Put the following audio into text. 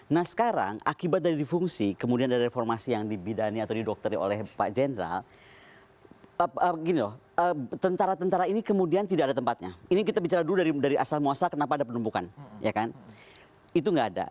nah sekarang akibat dari difungsi kemudian dari reformasi yang dibidani atau didokterin oleh pak jenderal tentara tentara ini kemudian tidak ada tempatnya ini kita bicara dulu dari asal muasal kenapa ada penumpukan ya kan itu nggak ada